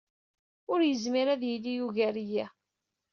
Ur yezmir ad yili yugar-iyi.